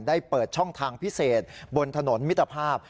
เปิดช่องทางพิเศษบนถนนมิตรภาพ